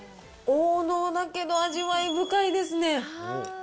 王道だけど、味わい深いですね。